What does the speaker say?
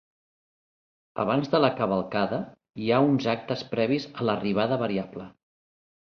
Abans de la cavalcada hi ha uns actes previs a l'arribada variable.